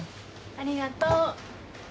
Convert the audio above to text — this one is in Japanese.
ありがとう。